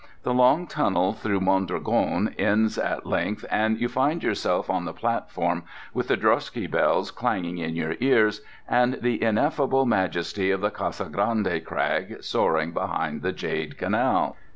The long tunnel through Mondragone ends at length, and you find yourself on the platform with the droschky bells clanging in your ears and the ineffable majesty of the Casa Grande crag soaring behind the jade canal.